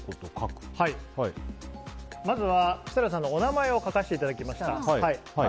まずは、設楽さんのお名前を書かせていただきました。